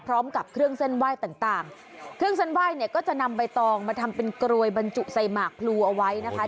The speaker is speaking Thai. พร้อมกับเครื่องเส้นไหว้ต่างต่างเครื่องเส้นไหว้เนี่ยก็จะนำใบตองมาทำเป็นกรวยบรรจุใส่หมากพลูเอาไว้นะคะ